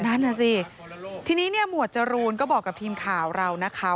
นั่นน่ะสิทีนี้เนี่ยหมวดจรูนก็บอกกับทีมข่าวเรานะคะ